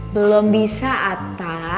belum bisa atta